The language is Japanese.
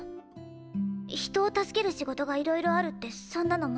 人を助ける仕事がいろいろあるってそんなのモチロン分かってる。